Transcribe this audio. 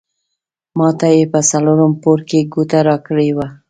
ماته یې په څلورم پوړ کې کوټه راکړې وه.